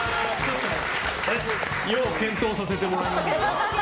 要検討させてもらいます。